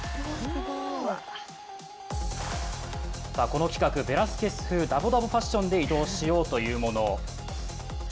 この企画はベラスケス風ダボダボファッションで移動しようというもの。